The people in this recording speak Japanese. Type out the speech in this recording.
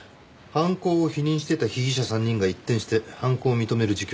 犯行を否認してた被疑者３人が一転して犯行を認める自供をしたとか。